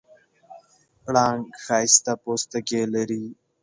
پړانګ ښایسته پوستکی لري.